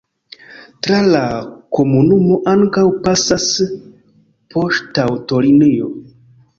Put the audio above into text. Tra la komunumo ankaŭ pasas poŝtaŭtolinio.